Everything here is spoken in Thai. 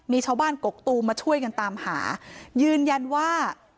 มีชาวบ้านกกตูมมาช่วยกันตามหายืนยันว่า